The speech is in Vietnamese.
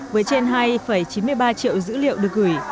với trên hai chín mươi ba triệu dữ liệu được gửi